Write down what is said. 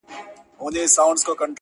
هر څوک خپل درد لري تل,